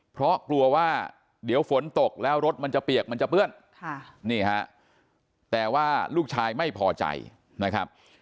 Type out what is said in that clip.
เพราะกลัวว่าเดี๋ยวฝนตกแล้วรถมันจะเปียกมันจะเปื้อนนี่ฮะแต่ว่าลูกชายไม่พอใจนะครับ